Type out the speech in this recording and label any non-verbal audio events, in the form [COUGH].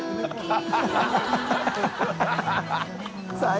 ハハハ [LAUGHS]